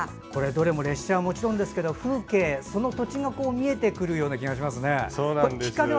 列車はもちろんですけど風景、その土地が見えてくる気がしますね。